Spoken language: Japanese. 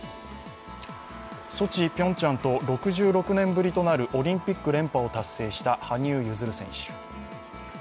ソチ、ピョンチャンと６６年ぶりとなるオリンピック連覇を達成した羽生結弦選手。